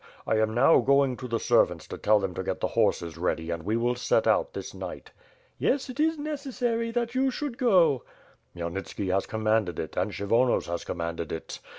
I am now going to the ser vants to tell them to get the horses ready and we will set out this night." "Yes, it is necessary that you should go." "Khmyelnitski has commanded it and Kshyvonos has com manded it.